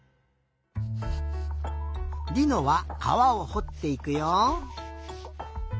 りのはかわをほっていくよ。